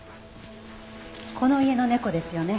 この家の猫ですよね？